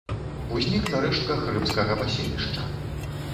Узнік на рэштках рымскага паселішча.